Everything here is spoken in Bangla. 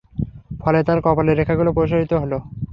ফলে তার কপালের রেখাগুলো প্রসারিত হল।